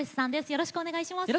よろしくお願いします。